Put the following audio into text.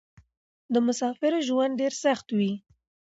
د مسافرو ژوند ډېر سخت وې.